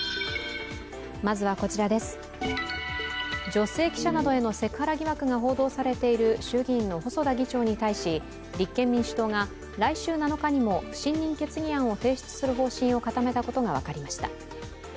女性記者などへのセクハラ疑惑が報じられている衆議院の細田議長に対し、立憲民主党が来週７日にも不信任決議案を提出する方針を固めたことが分かりました。